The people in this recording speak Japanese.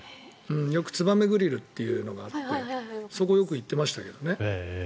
よくつばめグリルというのがあってそこによく行ってましたけどね。